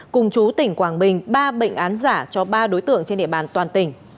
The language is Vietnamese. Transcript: cùng chú tỉnh quảng bình ba bệnh án giả cho ba đối tượng trên địa bàn toàn tỉnh